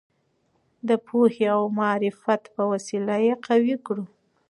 د پوهې او معرفت په وسیله یې قوي کړو.